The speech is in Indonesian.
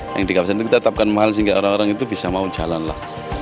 yang di kawasan itu kita tetapkan mahal sehingga orang orang itu bisa mau jalan lah